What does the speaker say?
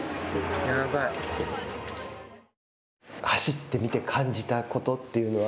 走ってみて感じたことというのは？